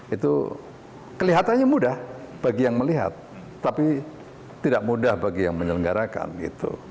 itu kelihatannya mudah bagi yang melihat tapi tidak mudah bagi yang menyelenggarakan gitu